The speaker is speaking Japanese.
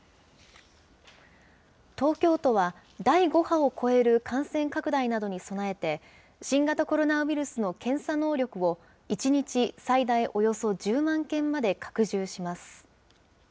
東京都は、第５波を超える感染拡大などに備えて、新型コロナウイルスの検査能力を、１日最大およそ１０万件まで拡充します。